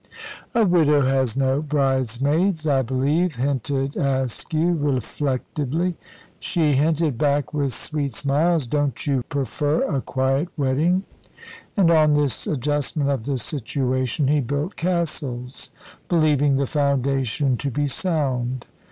"A widow has no bridesmaids, I believe?" hinted Askew, reflectively. She hinted back with sweet smiles, "Don't you prefer a quiet wedding?" And on this adjustment of the situation he built castles, believing the foundation to be sound.